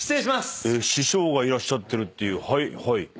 師匠がいらっしゃってるっていうはいはい。